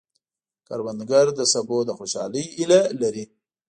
کروندګر د سبو د خوشحالۍ هیله لري